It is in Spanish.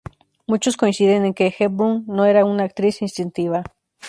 Muchos coinciden en que Hepburn no era una actriz instintiva.